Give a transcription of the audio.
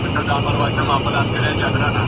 په نتيجه کي ئې اوس ځوانان لږ دي.